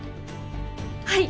はい。